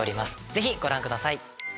ぜひご覧ください。